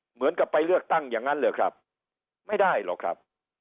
เหมือนกับไปเลือกตั้งอย่างนั้นเหรอครับไม่ได้หรอกครับ